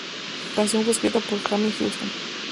La canción fue escrita por Jamie Houston.